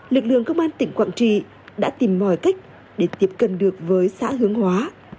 lực lượng công an tỉnh quảng trị đã tìm mọi cách để tiếp cận được với xã hướng hóa